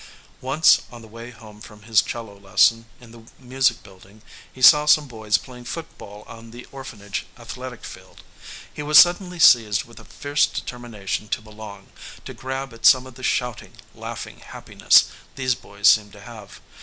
Once, on the way home from his cello lesson in the music building, he saw some boys playing football on the orphanage athletic field. He was suddenly seized with a fierce determination to belong, to grab at some of the shouting, laughing happiness these boys seemed to have.